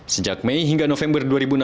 sejak mei hingga november dua ribu enam belas